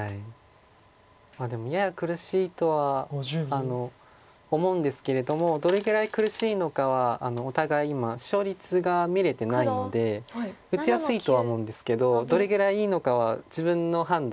でもやや苦しいとは思うんですけれどもどれぐらい苦しいのかはお互い今勝率が見れてないので打ちやすいとは思うんですけどどれぐらいいいのかは自分の判断